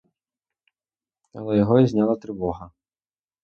Але його зняла тривога.